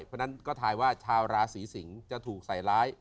เพราะฉะนั้นก็ทายว่าชาวราศีสิงศ์จะถูกใส่ร้าย